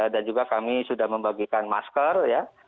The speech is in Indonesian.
dan juga kami sudah membagikan masker ya